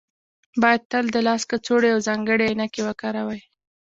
باید تل د لاس کڅوړې او ځانګړې عینکې وکاروئ